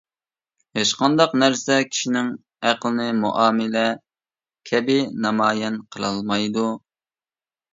ھېچقانداق نەرسە كىشىنىڭ ئەقلىنى مۇئامىلە كەبى نامايان قىلالمايدۇ.